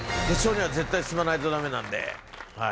決勝には絶対進まないとだめなんで。